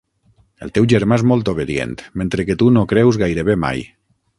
El teu germà és molt obedient, mentre que tu no creus gairebé mai.